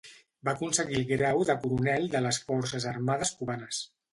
Va aconseguir el grau de coronel de les forces armades cubanes.